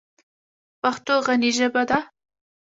پښتو غني ژبه ده.